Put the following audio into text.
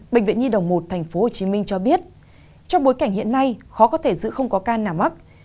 bệnh viện nhi đồng một tp hcm cho biết trong bối cảnh hiện nay khó có thể giữ không có ca nào mắc